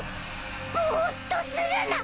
ぼーっとするな！